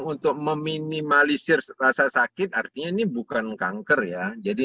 untuk meminimalisir rasa sakit artinya ini bukan kanker ya